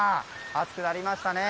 暑くなりましたね。